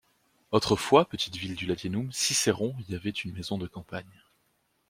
Autrefois petite ville du Latium, Cicéron y avait une maison de campagne.